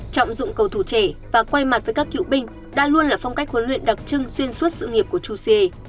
trọng dụng cầu thủ trẻ và quay mặt với các cựu binh đã luôn là phong cách huấn luyện đặc trưng xuyên suốt sự nghiệp của chuse